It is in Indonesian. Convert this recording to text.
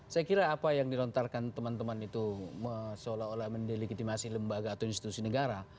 saya kira apa yang dilontarkan teman teman itu seolah olah mendelegitimasi lembaga atau institusi negara